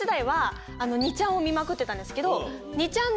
見まくってたんですけど。